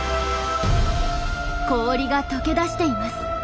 氷が解け出しています。